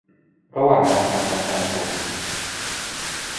ระหว่างรัฐกับประชาชน